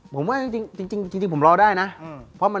ผมว่าจริงผมรอได้นะ